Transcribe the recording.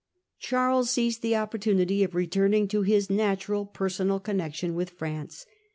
, Charles seized the opportunity of returning to his natural personal connection with France.